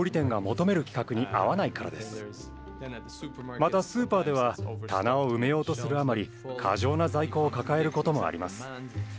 またスーパーでは棚を埋めようとするあまり過剰な在庫を抱えることもあります。